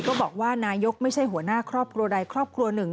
ก็บอกว่านายกไม่ใช่หัวหน้าครอบครัวใดครอบครัวหนึ่ง